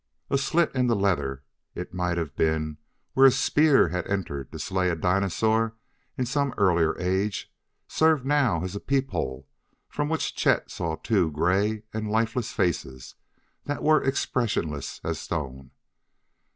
A slit in the leather it might bare been where a spear had entered to slay a dinosaur in some earlier age served now as a peep hole from which Chet saw two gray and lifeless faces that were expressionless as stone.